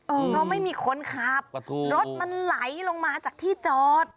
เพราะไม่มีคนขับรถมันไหลลงมาจากที่จอด